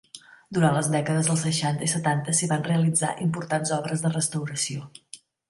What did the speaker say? Durant les dècades dels seixanta i setanta s'hi van realitzar importants obres de restauració.